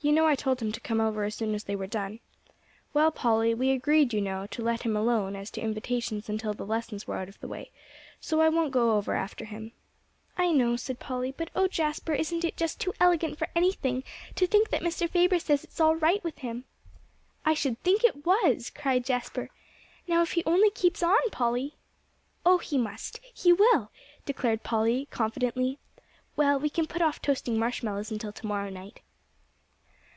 "You know I told him to come over as soon as they were done. Well, Polly, we agreed, you know, to let him alone as to invitations until the lessons were out of the way, so I won't go over after him." "I know," said Polly, "but oh, Jasper, isn't it just too elegant for anything, to think that Mr. Faber says it's all right with him?" "I should think it was," cried Jasper. "Now if he only keeps on, Polly." "Oh, he must; he will," declared Polly confidently. "Well, we can put off toasting marshmallows until to morrow night."